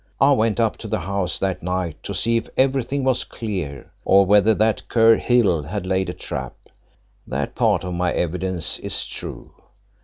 I went up to the house that night to see if everything was clear, or whether that cur Hill had laid a trap that part of my evidence is true.